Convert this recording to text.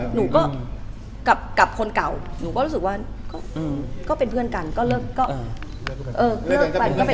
หนูก็กับคนเก่าหนูก็รู้สึกว่าก็เป็นเพื่อนกันก็เริ่มได้